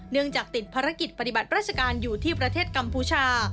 จากติดภารกิจปฏิบัติราชการอยู่ที่ประเทศกัมพูชา